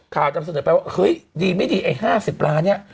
นำเสนอไปว่าเฮ้ยดีไม่ดีไอ้๕๐ล้านเนี่ย